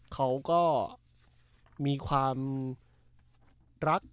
เขาก็มีความรัก